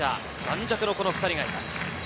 盤石の２人がいます。